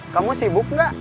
kamu sibuk nggak